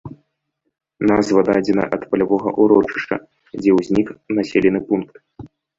Назва дадзена ад палявога урочышча, дзе ўзнік населены пункт.